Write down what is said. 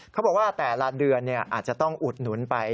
เขาบอกว่าแต่ละเดือนอาจจะต้องอุดหนุนไป